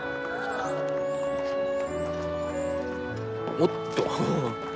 おっと。